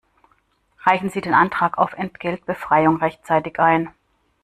Reichen Sie den Antrag auf Entgeltbefreiung rechtzeitig ein!